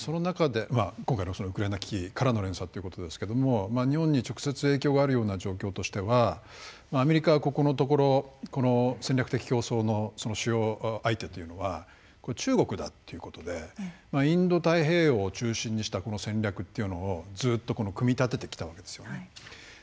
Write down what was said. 今回のウクライナからの連鎖ということですが日本に直接影響があるような状況としてはアメリカは、ここのところ戦略的競争の主要相手というのは中国だということでインド太平洋を中心にした戦略というのをずっと組み立ててきたわけですよね。